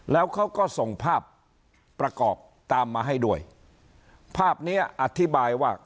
แล้วเขาก็ส่งภาพประกอบตามมาให้ด้วยภาพเนี้ยอธิบายว่า